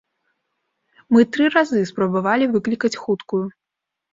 Мы тры разы спрабавалі выклікаць хуткую.